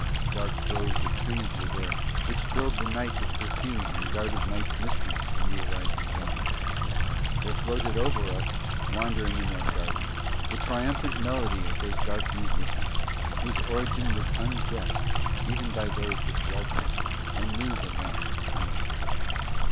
Dark groves of trees were there which filled the night with perfume and guarded night's mysteries from the arising dawn. There floated over us, wandering in that garden, the triumphant melody of those dark musicians, whose origin was unguessed even by those that dwelt there and knew the Lands of Dream.